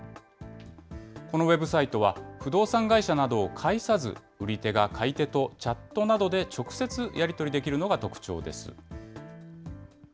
このウェブサイトは、不動産会社などを介さず売り手が買い手とチャットなどで直接やり取りできるのが特徴です。